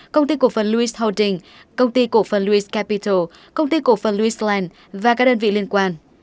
công ty cổ phần lewis holdings công ty cổ phần lewis capital công ty cổ phần lewis land và các đơn vị liên quan